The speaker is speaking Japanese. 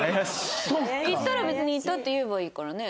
行ったら別に行ったって言えばいいからね。